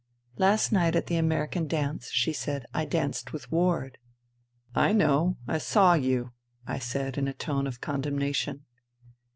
" Last night at the American dance," she said, " I danced with Ward." " I know, I saw you," I said in a tone of con demnation.